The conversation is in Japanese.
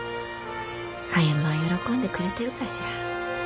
歩は喜んでくれてるかしら？